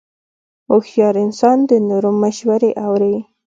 هوښیار انسان د نورو مشورې اوري.